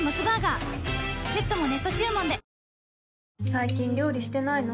最近料理してないの？